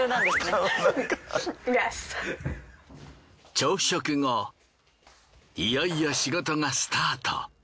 朝食後いよいよ仕事がスタート。